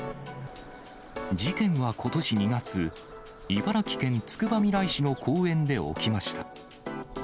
事件はことし２月、茨城県つくばみらい市の公園で起きました。